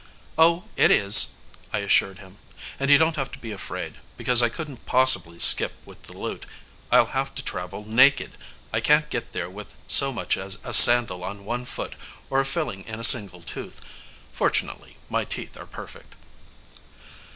"Oh, it is," I assured him. "And you don't have to be afraid, because I couldn't possibly skip with the loot. I'll have to travel naked. I can't get there with so much as a sandal on one foot or a filling in a single tooth. Fortunately, my teeth are perfect."